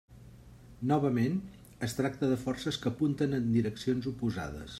Novament es tracta de forces que apunten en direccions oposades.